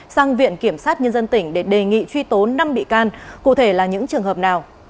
sang viện kiểm sát nhân dân tỉnh để đề nghị truy tố năm bị can cụ thể là những trường hợp nào